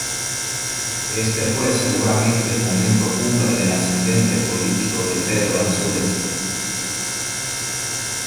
Este fue seguramente el momento cumbre del ascendente político de Pedro Ansúrez.